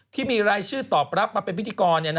ที่มีรายชื่อตอบรับมาเป็นพิธีกร